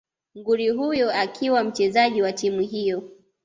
nguri huyo akiwa mchezaji wa timu hiyo